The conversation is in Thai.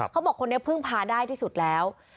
เขาบอกว่าคนนี้พึ่งพาได้ที่สุดแล้ว